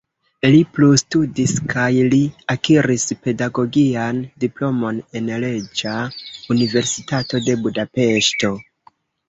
Li plustudis kaj li akiris pedagogian diplomon en Reĝa Universitato de Budapeŝto.